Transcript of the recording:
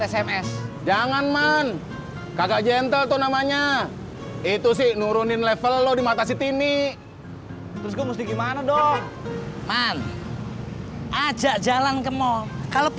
sampai jumpa di video selanjutnya